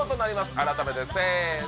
改めてせの！